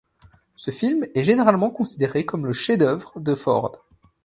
Ce film est généralement considéré comme le chef-d’œuvre de Ford.